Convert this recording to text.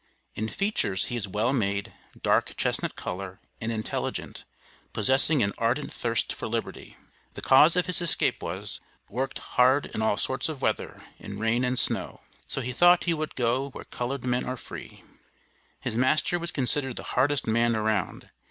In features he is well made, dark chestnut color, and intelligent, possessing an ardent thirst for liberty. The cause of his escape was: "Worked hard in all sorts of weather in rain and snow," so he thought he would "go where colored men are free." His master was considered the hardest man around.